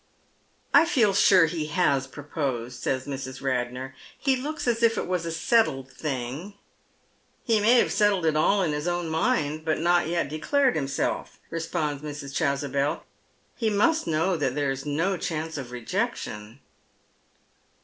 " I feel sure he has proposed," says Mrs. Radnor. He looks as if it was a settled thing." " He may have settled it all in his own mind, but not yel declared himself," responds Mrs. Chasubel. " He must know that there is no chance of rejection."